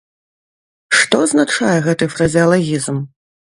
Што азначае гэты фразеалагізм?